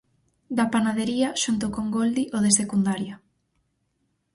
Da Panadería, xunto con Goldi, o de secundaria.